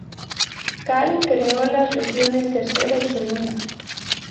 Kal creo las regiones Tercera y Segunda.